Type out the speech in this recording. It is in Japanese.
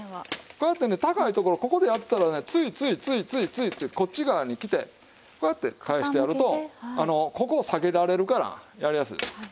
こうやってね高いところここでやったらねついついついついってこっち側に来てこうやって返してやるとあのここを下げられるからやりやすいです。